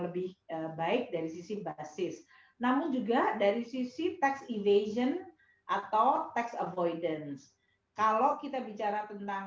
lebih baik dari sisi basis namun juga dari sisi tax evation atau tax avoidance kalau kita bicara tentang